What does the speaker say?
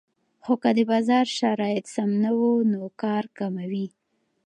خو که د بازار شرایط سم نه وو نو کار کموي